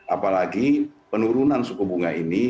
apalagi penurunan suku bunga ini